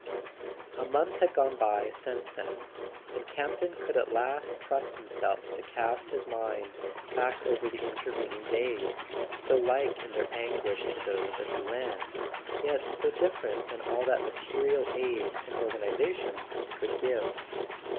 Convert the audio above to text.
A month had gone by since then; and Campton could at last trust himself to cast his mind back over the intervening days, so like in their anguish to those at Doullens, yet so different in all that material aid and organization could give.